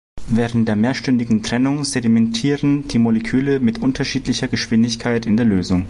Während der mehrstündigen Trennung sedimentieren die Moleküle mit unterschiedlicher Geschwindigkeit in der Lösung.